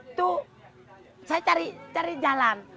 itu saya cari jalan